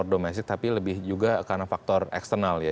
domestik tapi lebih juga karena faktor eksternal ya